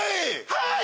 はい！